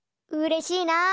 うれしいな。